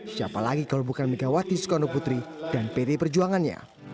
siapa lagi kalau bukan megawati sukonoputri dan pd perjuangannya